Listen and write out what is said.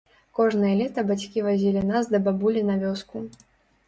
Кожнае лета бацькі вазілі нас да бабулі на вёску.